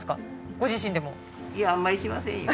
ご自身でもいやあんまりしませんよ